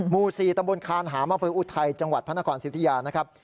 มูศีตมบลคารหามพลิกอุทัยจังหวัดพนครสิทธิยานะครับ